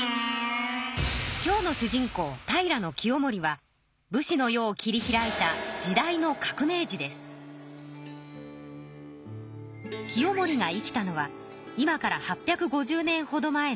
今日の主人公武士の世を切り開いた清盛が生きたのは今から８５０年ほど前の平安時代。